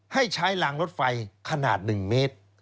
ให้ใช้รางรถไฟขนาด๑เมตร